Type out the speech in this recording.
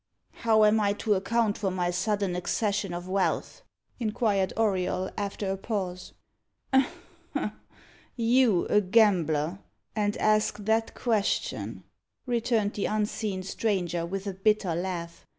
"How am I to account for my sudden accession of wealth?" inquired Auriol, after a pause. "You a gambler, and ask that question!" returned the unseen stranger, with a bitter laugh.